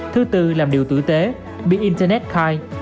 thứ tư làm điều tử tế be internet kind